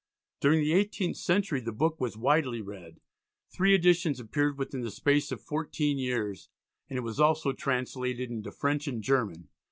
During the eighteenth century the book was widely read; three editions appeared within the space of fourteen years, and it was also translated into French and German.